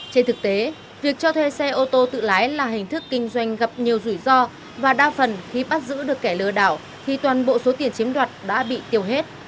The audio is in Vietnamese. trên thực tế việc cho thuê xe ô tô tự lái là hình thức kinh doanh gặp nhiều rủi ro và đa phần khi bắt giữ được kẻ lừa đảo thì toàn bộ số tiền chiếm đoạt đã bị tiêu hết